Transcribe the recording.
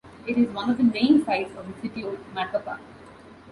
It is one of the main sights of the city of Macapa.